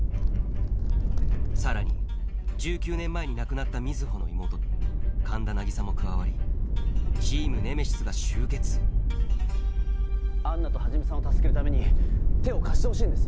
さらに１９年前に亡くなった水帆の妹神田凪沙も加わりチーム・ネメシスが集結アンナと始さんを助けるために手を貸してほしいんです。